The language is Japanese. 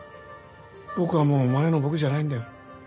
僕はもう前の僕じゃないんだよ。